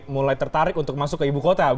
mulai tertarik untuk masuk ke ibu kota